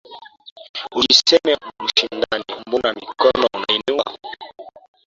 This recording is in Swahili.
Ukisema mshindane mbona mikono unainua?